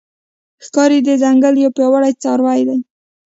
ښکاري د ځنګل یو پیاوړی څاروی دی.